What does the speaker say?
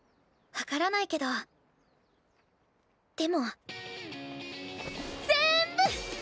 分からないけどでもぜんぶ！